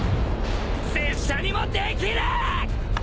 拙者にもできる！！